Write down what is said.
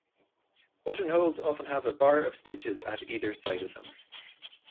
Buttonholes often have a bar of stitches at either side of them.